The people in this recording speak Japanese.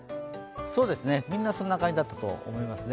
そうですね、みんなそんな感じだったと思います。